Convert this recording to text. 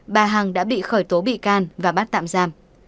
bà hằng đã bị khởi tố bị can và bắt tạm giam